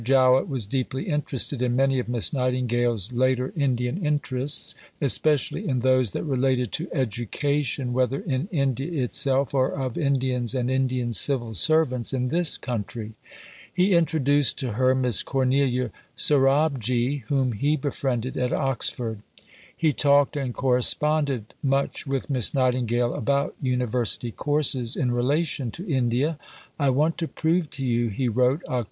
Jowett was deeply interested in many of Miss Nightingale's later Indian interests especially in those that related to education, whether in India itself or of Indians and Indian civil servants in this country. He introduced to her Miss Cornelia Sorabji, whom he befriended at Oxford. He talked and corresponded much with Miss Nightingale about University courses in relation to India. "I want to prove to you," he wrote (Oct.